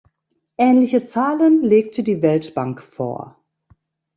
Ähnliche Zahlen legte die Weltbank vor.